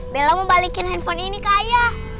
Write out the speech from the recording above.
bela mau balikin handphone ini ke ayah